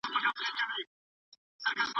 زه بیا راځم.